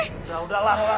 udah udah lah